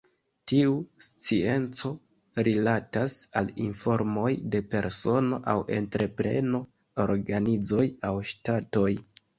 Tiu scienco rilatas al informoj de persono aŭ entrepreno, organizoj aŭ ŝtatoj.